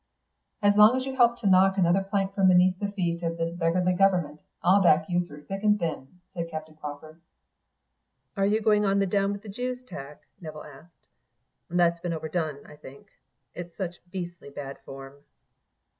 "As long as you help to knock another plank from beneath the feet of this beggarly government, I'll back you through thick and thin," said Captain Crawford. "Are you going on the Down with the Jews tack?" Nevill asked. "That's been overdone, I think; it's such beastly bad form."